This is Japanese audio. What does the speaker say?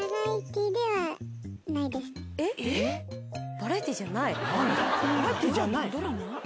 バラエティーじゃない。